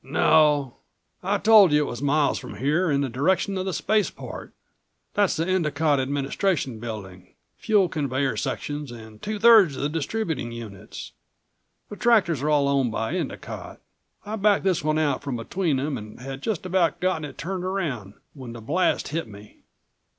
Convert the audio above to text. "No. I told you it was miles from here, in the direction of the spaceport. That's the Endicott Administration Building, fuel conveyor sections and two thirds of the distributing units. The tractors are all owned by Endicott. I backed this one out from between them and had just about gotten it turned around when the blast hit me."